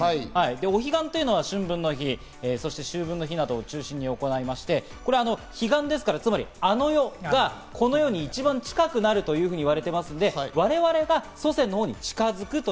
お彼岸というのは春分の日、秋分の日などを中心に行いまして、彼岸ですから、あの世がこの世に一番近くなると言われていますので、我々が祖先のほうに近づく。